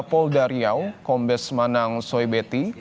polda riau kombes manang soebeti